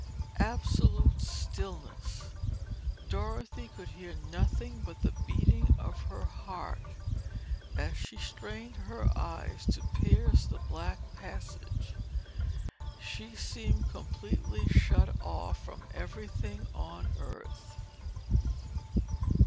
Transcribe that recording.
Absolute stillness. Dorothy could hear nothing but the beating of her heart as she strained her eyes to pierce the black passage. She seemed completely shut off from everything on earth.